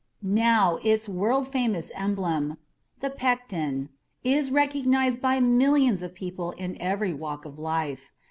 Now its world famous emblem (the Pecten) is recognized by millions of people in every walk of life.